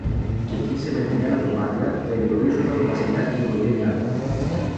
Κι εκεί, σε μετρημένα δωμάτια, περιορίζουνταν ο Βασιλιάς και η οικογένεια του.